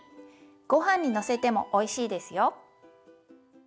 ごはんにのせてもおいしいですよ。